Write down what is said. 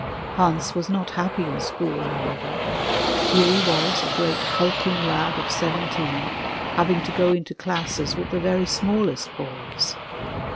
Hans was not happy in school, however. Here he was, a great hulking lad of seventeen, having to go into classes with the very smallest boys.